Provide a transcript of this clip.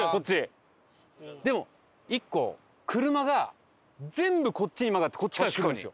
でも１個車が全部こっちに曲がってこっちから来るんですよ。